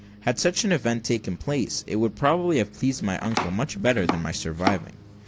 Had such an event taken place, it would probably have pleased my uncle much better than my surviving.